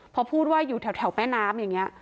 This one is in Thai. พอพูดว่ายอ่อยอยู่แถวแถวแม่น้ำอย่างเงี้ย